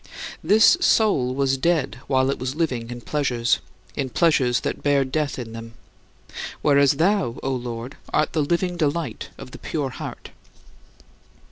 This soul was dead while it was living in pleasures in pleasures that bear death in them whereas thou, O Lord, art the living delight of the pure heart.